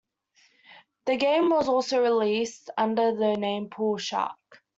The game was also released under the name "Pool Shark".